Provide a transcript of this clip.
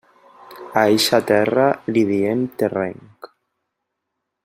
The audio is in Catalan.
A eixa terra li diem terrenc.